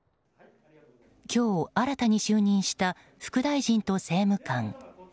今日、新たに就任した副大臣と政務官。